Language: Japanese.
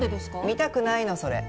見たくないのそれ。